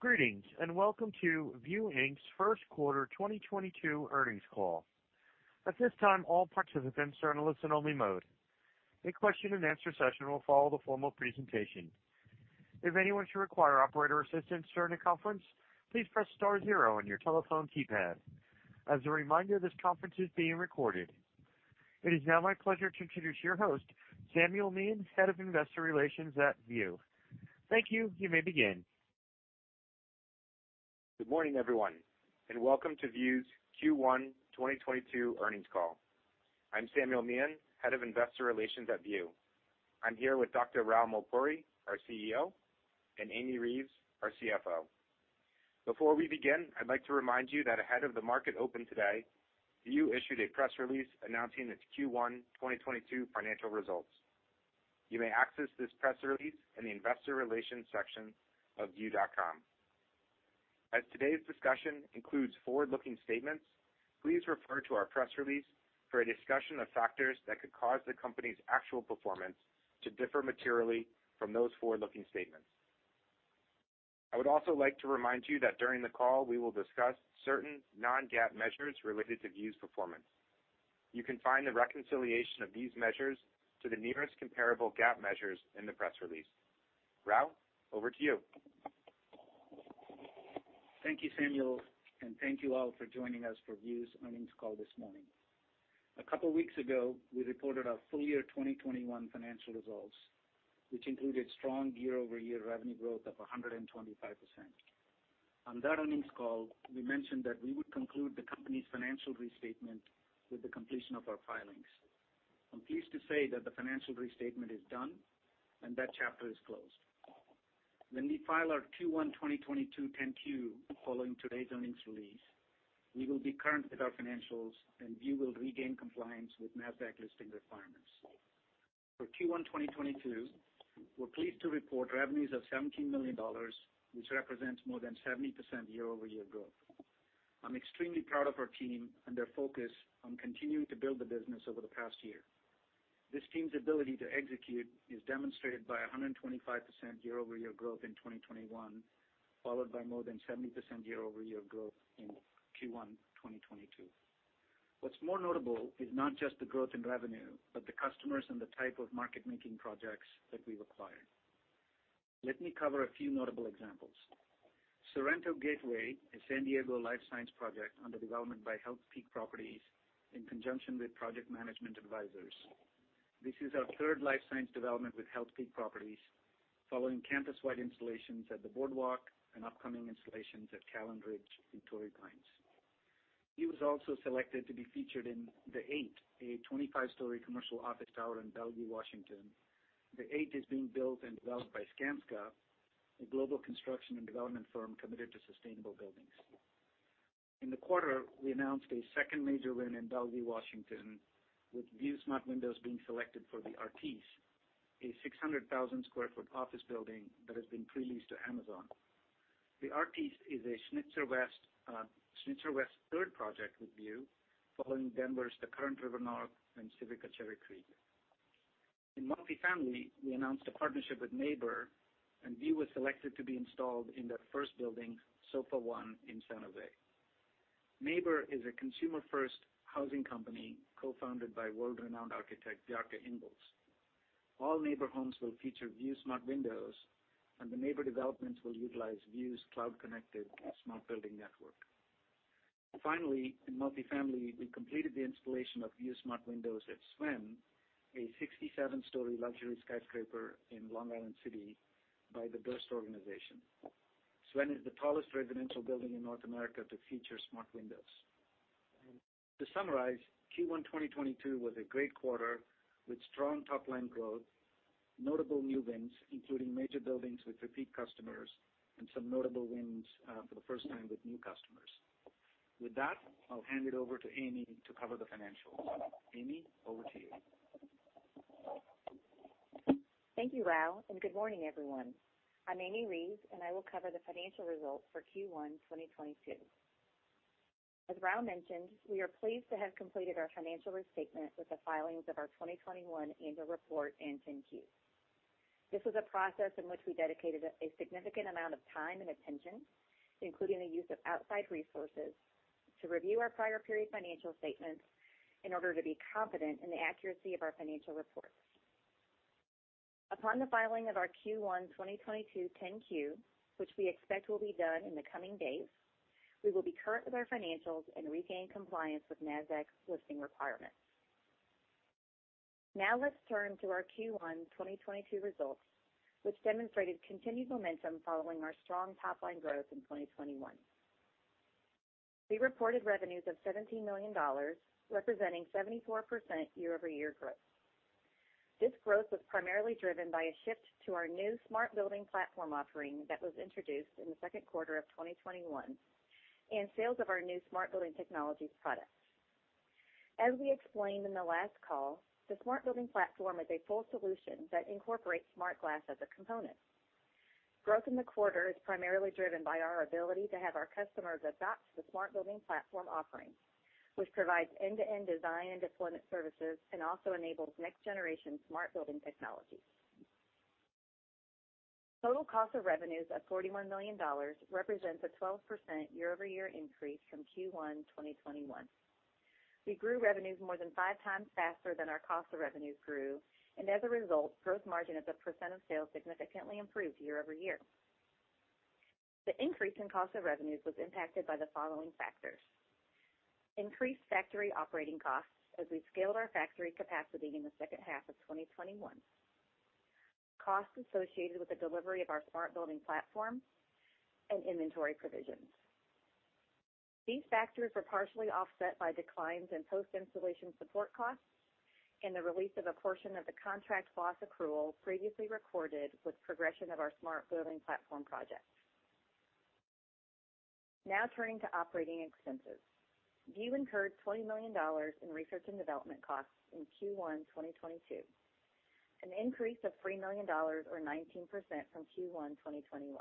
Greetings, and welcome to View, Inc.'s First Quarter 2022 earnings call. At this time, all participants are in a listen-only mode. A question-and-answer session will follow the formal presentation. If anyone should require operator assistance during the conference, please press star zero on your telephone keypad. As a reminder, this conference is being recorded. It is now my pleasure to introduce your host, Samuel Meehan, Head of Investor Relations at View. Thank you. You may begin. Good morning, everyone, and welcome to View's Q1 2022 earnings call. I'm Samuel Meehan, Head of Investor Relations at View. I'm here with Dr. Rao Mulpuri, our CEO, and Amy Reeves, our CFO. Before we begin, I'd like to remind you that ahead of the market open today, View issued a press release announcing its Q1 2022 financial results. You may access this press release in the Investor Relations section of view.com. As today's discussion includes forward-looking statements, please refer to our press release for a discussion of factors that could cause the company's actual performance to differ materially from those forward-looking statements. I would also like to remind you that during the call, we will discuss certain non-GAAP measures related to View's performance. You can find the reconciliation of these measures to the nearest comparable GAAP measures in the press release. Rao, over to you. Thank you, Samuel, and thank you all for joining us for View's earnings call this morning. A couple weeks ago, we reported our full year 2021 financial results, which included strong year-over-year revenue growth of 125%. On that earnings call, we mentioned that we would conclude the company's financial restatement with the completion of our filings. I'm pleased to say that the financial restatement is done and that chapter is closed. When we file our Q1 2022 Form 10-Q following today's earnings release, we will be current with our financials, and View will regain compliance with Nasdaq listing requirements. For Q1 2022, we're pleased to report revenues of $17 million, which represents more than 70% year-over-year growth. I'm extremely proud of our team and their focus on continuing to build the business over the past year. This team's ability to execute is demonstrated by 125% year-over-year growth in 2021, followed by more than 70% year-over-year growth in Q1 2022. What's more notable is not just the growth in revenue, but the customers and the type of market-making projects that we've acquired. Let me cover a few notable examples. Sorrento Gateway is San Diego life science project under development by Healthpeak Properties in conjunction with project management advisors. This is our third life science development with Healthpeak Properties, following campus-wide installations at The Boardwalk and upcoming installations at Callan Ridge in Torrey Pines. View was also selected to be featured in The Eight, a 25-story commercial office tower in Bellevue, Washington. The Eight is being built and developed by Skanska, a global construction and development firm committed to sustainable buildings. In the quarter, we announced a second major win in Bellevue, Washington, with View Smart Windows being selected for The Artise, a 600,000 sq ft office building that has been pre-leased to Amazon. The Artise is a Schnitzer West's third project with View following Denver's The Current, River North, and Civica Cherry Creek. In multifamily, we announced a partnership with Neighbor, and View was selected to be installed in their first building, SoFA I, in San Jose. Neighbor is a consumer-first housing company co-founded by world-renowned architect, Bjarke Ingels. All Neighbor homes will feature View Smart Windows, and the Neighbor developments will utilize View's cloud-connected smart building network. Finally, in multifamily, we completed the installation of View Smart Windows at Sven, a 67-story luxury skyscraper in Long Island City by The Durst Organization. Sven is the tallest residential building in North America to feature smart windows. To summarize, Q1 2022 was a great quarter with strong top-line growth, notable new wins, including major buildings with repeat customers and some notable wins for the first time with new customers. With that, I'll hand it over to Amy to cover the financials. Amy, over to you. Thank you, Rao, and good morning, everyone. I'm Amy Reeves, and I will cover the financial results for Q1 2022. As Rao mentioned, we are pleased to have completed our financial restatement with the filings of our 2021 annual report and 10-Q. This was a process in which we dedicated a significant amount of time and attention, including the use of outside resources, to review our prior period financial statements in order to be confident in the accuracy of our financial reports. Upon the filing of our Q1 2022 10-Q, which we expect will be done in the coming days, we will be current with our financials and regain compliance with Nasdaq's listing requirements. Now let's turn to our Q1 2022 results, which demonstrated continued momentum following our strong top-line growth in 2021. We reported revenues of $17 million, representing 74% year-over-year growth. This growth was primarily driven by a shift to our new smart building platform offering that was introduced in the second quarter of 2021 and sales of our new smart building technologies products. As we explained in the last call, the smart building platform is a full solution that incorporates smart glass as a component. Growth in the quarter is primarily driven by our ability to have our customers adopt the smart building platform offering, which provides end-to-end design and deployment services and also enables next generation smart building technologies. Total cost of revenues of $41 million represents a 12% year-over-year increase from Q1 2021. We grew revenues more than 5x faster than our cost of revenues grew, and as a result, gross margin as a percent of sales significantly improved year-over-year. The increase in cost of revenues was impacted by the following factors. Increased factory operating costs as we scaled our factory capacity in the second half of 2021. Costs associated with the delivery of our smart building platform and inventory provisions. These factors were partially offset by declines in post-installation support costs and the release of a portion of the contract loss accrual previously recorded with progression of our smart building platform projects. Now turning to operating expenses. View incurred $20 million in research and development costs in Q1 2022, an increase of $3 million or 19% from Q1 2021.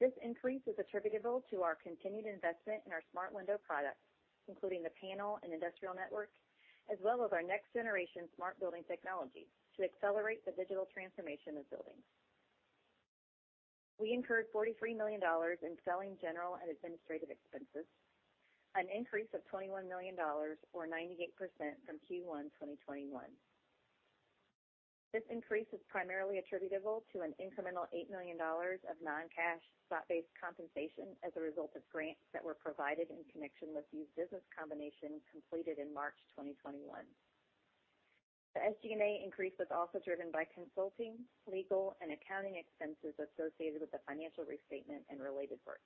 This increase is attributable to our continued investment in our smart window products, including the panel and industrial network, as well as our next generation smart building technologies to accelerate the digital transformation of buildings. We incurred $43 million in selling, general, and administrative expenses, an increase of $21 million or 98% from Q1 2021. This increase is primarily attributable to an incremental $8 million of non-cash stock-based compensation as a result of grants that were provided in connection with these business combinations completed in March 2021. The SG&A increase was also driven by consulting, legal, and accounting expenses associated with the financial restatement and related work.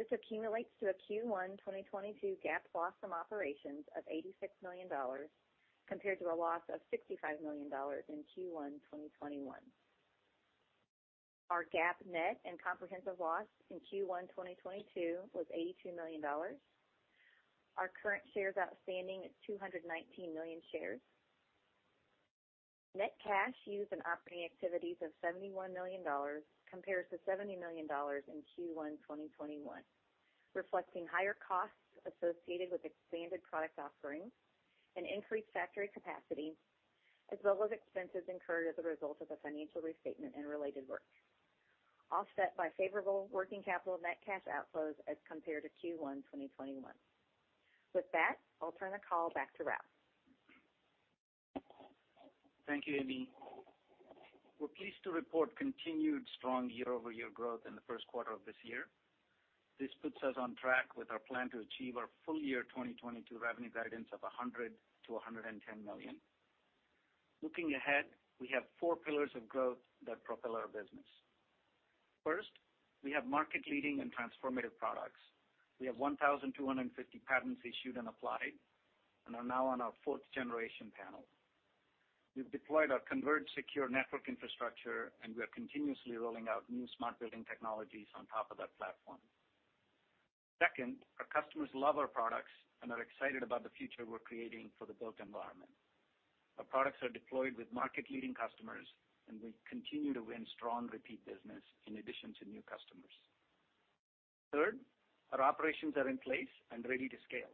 This accumulates to a Q1 2022 GAAP loss from operations of $86 million compared to a loss of $65 million in Q1 2021. Our GAAP net and comprehensive loss in Q1 2022 was $82 million. Our current shares outstanding is 219 million shares. Net cash used in operating activities of $71 million compares to $70 million in Q1 2021, reflecting higher costs associated with expanded product offerings and increased factory capacity, as well as expenses incurred as a result of the financial restatement and related work, offset by favorable working capital net cash outflows as compared to Q1 2021. With that, I'll turn the call back to Rao. Thank you, Amy. We're pleased to report continued strong year-over-year growth in the first quarter of this year. This puts us on track with our plan to achieve our full-year 2022 revenue guidance of $100 million-$110 million. Looking ahead, we have four pillars of growth that propel our business. First, we have market-leading and transformative products. We have 1,250 patents issued and applied, and are now on our fourth-generation panel. We've deployed our converged secure network infrastructure, and we are continuously rolling out new smart building technologies on top of that platform. Second, our customers love our products and are excited about the future we're creating for the built environment. Our products are deployed with market-leading customers, and we continue to win strong repeat business in addition to new customers. Third, our operations are in place and ready to scale.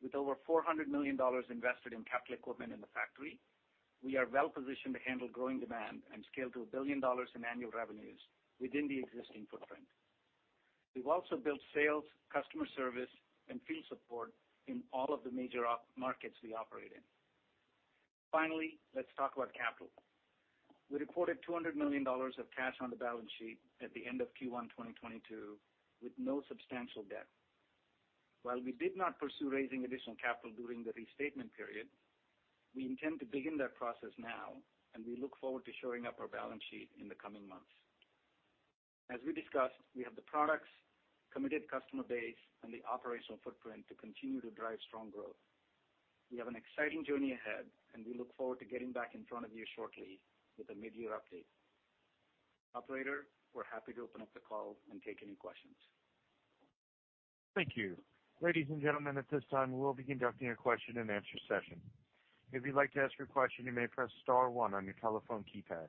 With over $400 million invested in capital equipment in the factory, we are well positioned to handle growing demand and scale to $1 billion in annual revenues within the existing footprint. We've also built sales, customer service, and field support in all of the major markets we operate in. Finally, let's talk about capital. We reported $200 million of cash on the balance sheet at the end of Q1 2022 with no substantial debt. While we did not pursue raising additional capital during the restatement period, we intend to begin that process now, and we look forward to shoring up our balance sheet in the coming months. As we discussed, we have the products, committed customer base, and the operational footprint to continue to drive strong growth. We have an exciting journey ahead, and we look forward to getting back in front of you shortly with a mid-year update. Operator, we're happy to open up the call and take any questions. Thank you. Ladies and gentlemen, at this time, we will be conducting a question-and-answer session. If you'd like to ask your question, you may press star one on your telephone keypad.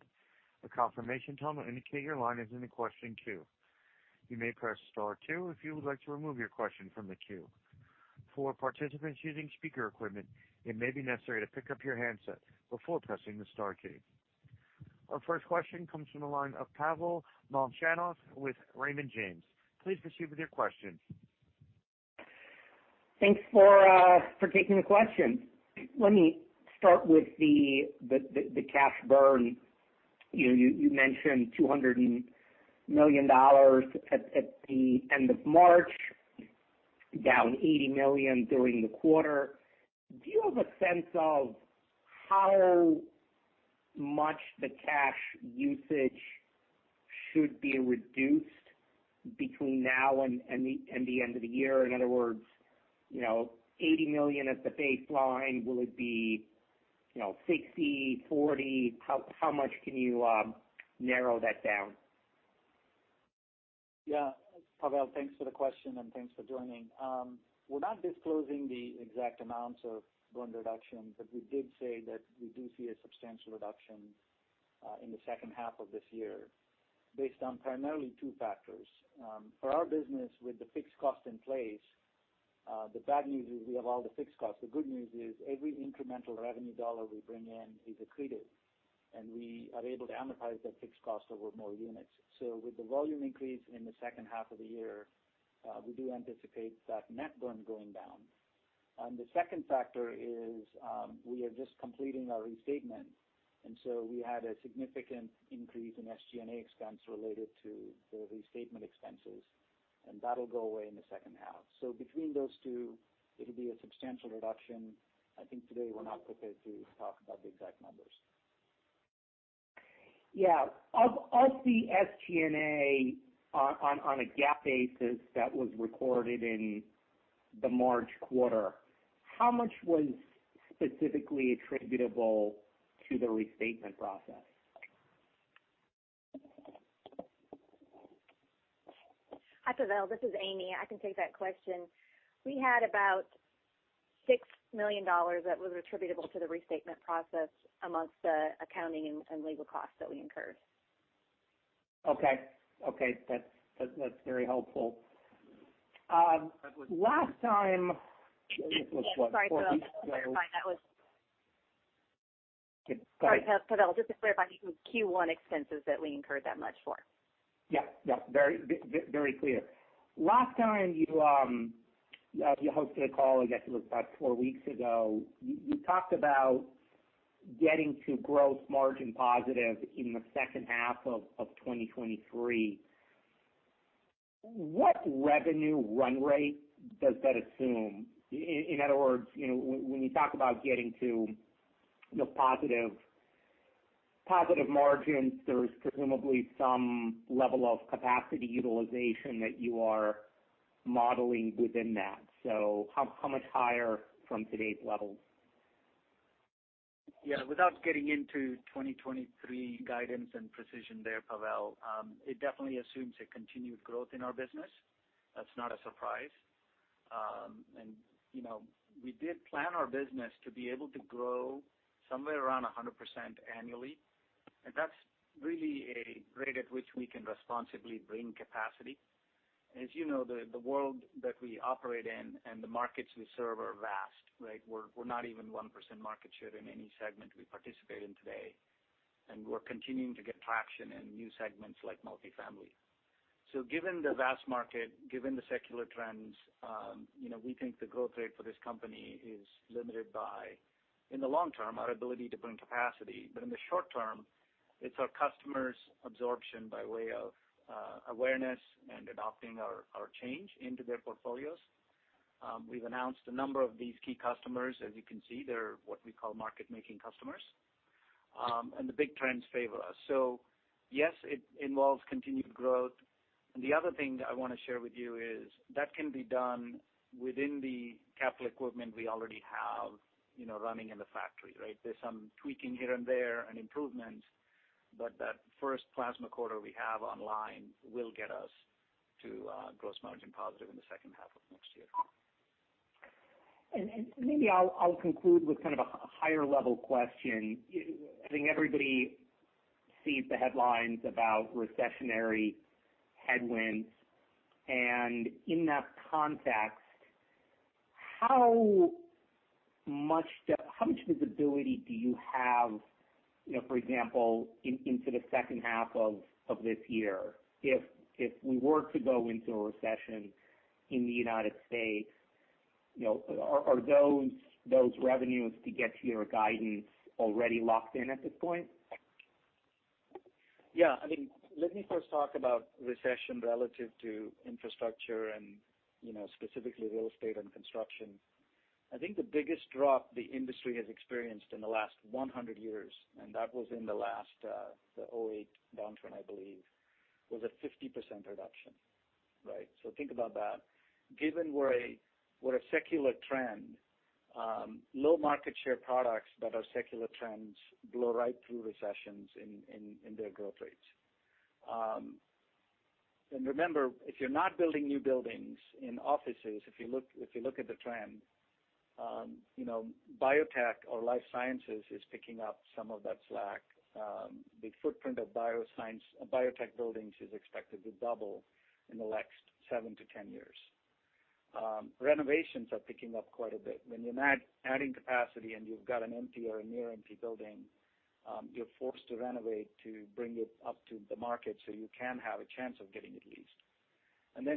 A confirmation tone will indicate your line is in the question queue. You may press star two if you would like to remove your question from the queue. For participants using speaker equipment, it may be necessary to pick up your handset before pressing the star key. Our first question comes from the line of Pavel Molchanov with Raymond James. Please proceed with your question. Thanks for taking the question. Let me start with the cash burn. You mentioned $200 million at the end of March, down $80 million during the quarter. Do you have a sense of how much the cash usage should be reduced between now and the end of the year? In other words, you know, $80 million at the baseline, will it be, you know, $60 million, $40 million? How much can you narrow that down? Yeah. Pavel, thanks for the question, and thanks for joining. We're not disclosing the exact amounts of burn reduction, but we did say that we do see a substantial reduction in the second half of this year, based on primarily two factors. For our business with the fixed cost in place, the bad news is we have all the fixed costs. The good news is every incremental revenue dollar we bring in is accretive, and we are able to amortize that fixed cost over more units. So with the volume increase in the second half of the year, we do anticipate that net burn going down. The second factor is, we are just completing our restatement, and so we had a significant increase in SG&A expense related to the restatement expenses, and that'll go away in the second half. Between those two, it'll be a substantial reduction. I think today we're not prepared to talk about the exact numbers. Yeah. Of the SG&A on a GAAP basis that was recorded in the March quarter, how much was specifically attributable to the restatement process? Hi, Pavel, this is Amy. I can take that question. We had about $6 million that was attributable to the restatement process among the accounting and legal costs that we incurred. Okay. That's very helpful. Last time- Yeah. Sorry, Pavel. Just to clarify, that was... Go ahead. Sorry, Pavel. Just to clarify, it was Q1 expenses that we incurred that much for.... Yeah. Very clear. Last time you hosted a call, I guess it was about four weeks ago, you talked about getting to gross margin positive in the second half of 2023. What revenue run rate does that assume? In other words, you know, when you talk about getting to, you know, positive margins, there is presumably some level of capacity utilization that you are modeling within that. How much higher from today's levels? Yeah. Without getting into 2023 guidance and precision there, Pavel, it definitely assumes a continued growth in our business. That's not a surprise. You know, we did plan our business to be able to grow somewhere around 100% annually, and that's really a rate at which we can responsibly bring capacity. As you know, the world that we operate in and the markets we serve are vast, right? We're not even 1% market share in any segment we participate in today, and we're continuing to get traction in new segments like multifamily. Given the vast market, given the secular trends, you know, we think the growth rate for this company is limited by, in the long term, our ability to bring capacity. In the short term, it's our customers' absorption by way of awareness and adopting our change into their portfolios. We've announced a number of these key customers. As you can see, they're what we call market-making customers. The big trends favor us. Yes, it involves continued growth. The other thing that I wanna share with you is that can be done within the capital equipment we already have, you know, running in the factory, right? There's some tweaking here and there and improvements, but that first plasma coater we have online will get us to gross margin positive in the second half of next year. Maybe I'll conclude with kind of a higher level question. I think everybody sees the headlines about recessionary headwinds, and in that context, how much visibility do you have, you know, for example, into the second half of this year, if we were to go into a recession in the United States, you know, are those revenues to get to your guidance already locked in at this point? Yeah. I mean, let me first talk about recession relative to infrastructure and, you know, specifically real estate and construction. I think the biggest drop the industry has experienced in the last 100 years, and that was in the last, the 2008 downturn, I believe, was a 50% reduction, right? Think about that. Given we're a secular trend, low market share products that are secular trends blow right through recessions in their growth rates. Remember, if you're not building new buildings in offices, if you look at the trend, you know, biotech or life sciences is picking up some of that slack. The footprint of biotech buildings is expected to double in the next seven to 10 years. Renovations are picking up quite a bit. When you're adding capacity and you've got an empty or a near empty building, you're forced to renovate to bring it up to the market so you can have a chance of getting it leased.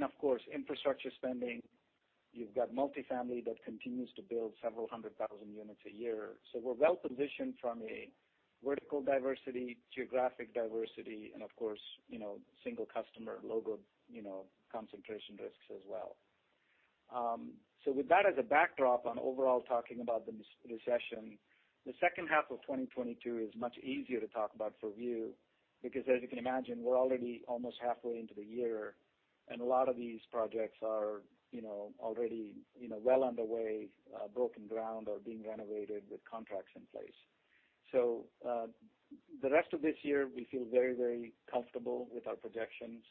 Of course, infrastructure spending, you've got multifamily that continues to build several hundred thousand units a year. We're well-positioned from a vertical diversity, geographic diversity, and of course, you know, single customer logo, you know, concentration risks as well. With that as a backdrop on overall talking about the recession, the second half of 2022 is much easier to talk about for View, because as you can imagine, we're already almost halfway into the year, and a lot of these projects are, you know, already, you know, well underway, broken ground or being renovated with contracts in place. The rest of this year, we feel very, very comfortable with our projections.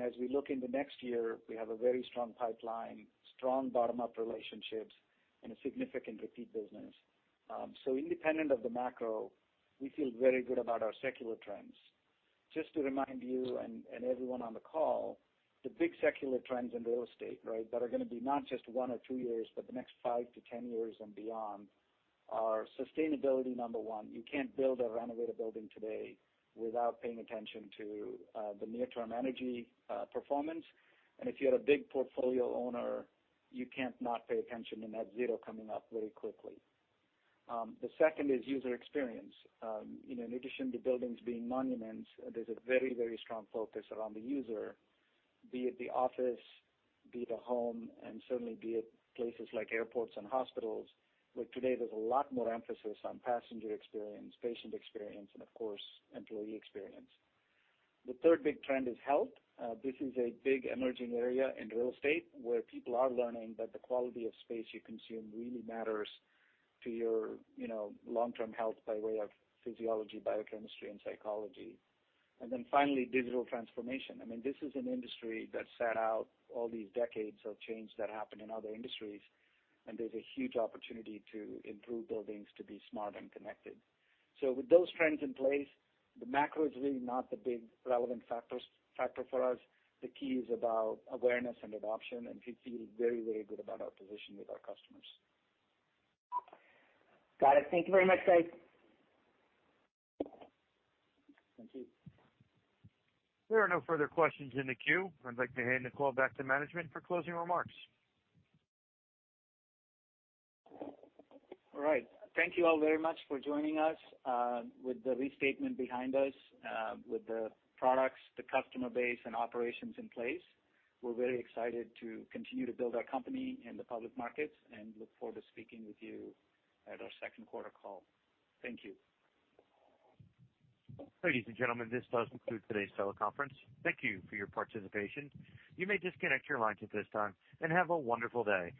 As we look into next year, we have a very strong pipeline, strong bottom-up relationships, and a significant repeat business. Independent of the macro, we feel very good about our secular trends. Just to remind you and everyone on the call, the big secular trends in real estate, right? That are gonna be not just one or two years, but the next five to 10 years and beyond are sustainability, number one. You can't build or renovate a building today without paying attention to the near-term energy performance. If you're a big portfolio owner, you can't not pay attention to net zero coming up very quickly. The second is user experience. You know, in addition to buildings being monuments, there's a very, very strong focus around the user, be it the office, be it a home, and certainly be it places like airports and hospitals, where today there's a lot more emphasis on passenger experience, patient experience, and of course, employee experience. The third big trend is health. This is a big emerging area in real estate where people are learning that the quality of space you consume really matters to your, you know, long-term health by way of physiology, biochemistry, and psychology. Finally, digital transformation. I mean, this is an industry that sat out all these decades of change that happened in other industries, and there's a huge opportunity to improve buildings to be smart and connected. With those trends in place, the macro is really not the big relevant factor for us. The key is about awareness and adoption, and we feel very, very good about our position with our customers. Got it. Thank you very much, guys. Thank you. There are no further questions in the queue. I'd like to hand the call back to management for closing remarks. All right. Thank you all very much for joining us. With the restatement behind us, with the products, the customer base and operations in place, we're very excited to continue to build our company in the public markets and look forward to speaking with you at our second quarter call. Thank you. Ladies and gentlemen, this does conclude today's teleconference. Thank you for your participation. You may disconnect your lines at this time, and have a wonderful day.